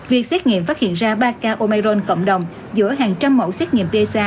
việc xét nghiệm phát hiện ra ba ca omairon cộng đồng giữa hàng trăm mẫu xét nghiệm psa